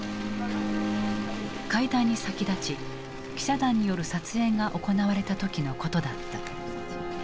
会談に先立ち記者団による撮影が行われた時のことだった。